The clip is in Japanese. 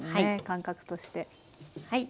感覚として。